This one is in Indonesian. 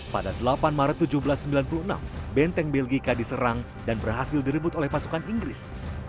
pada delapan maret seribu tujuh ratus sembilan puluh enam benteng belgika diserang dan berhasil direbut oleh pasukan inggris